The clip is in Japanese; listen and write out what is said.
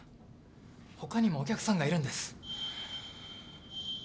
他にもお客さんがいるんです。